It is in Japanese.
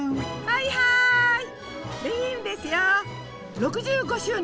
はいはい。